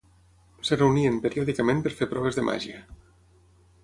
Es reunien periòdicament per fer proves de màgia.